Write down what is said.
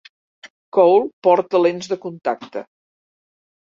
Cole porta lents de contacte.